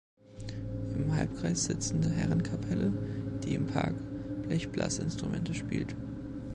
Im Halbkreis sitzende Herrenkapelle, die im Park Blechblasinstrumente spielt